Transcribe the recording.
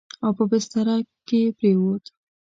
او په بستره کې پرېووت.